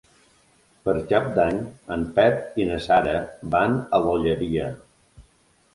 Per Cap d'Any en Pep i na Sara van a l'Olleria.